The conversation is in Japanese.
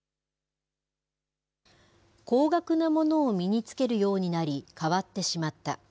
高額なものを身につけるようになり、変わってしまった。